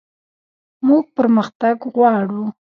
موږ پرمختګ غواړو